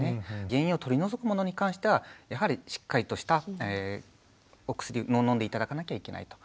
原因を取り除くものに関してはやはりしっかりとしたお薬を飲んで頂かなきゃいけないと。